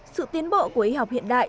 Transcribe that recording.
sự tiến bộ của y học hiện đại